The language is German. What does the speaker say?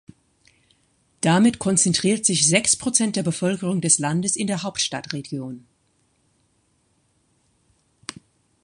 Damit konzentriert sich sechs Prozent der Bevölkerung des Landes in der Hauptstadtregion.